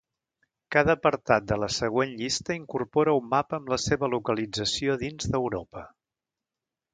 Cada apartat de la següent llista incorpora un mapa amb la seva localització dins d'Europa.